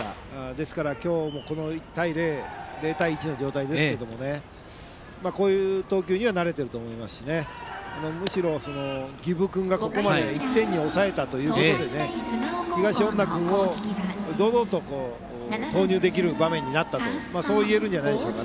ですから今日も０対１の状態ですけどこういう場面での投球には慣れていると思いますしむしろ儀部君がここまで１点に抑えたということで東恩納君を堂々と投入できる場面になったとそう言えるんじゃないかと思います。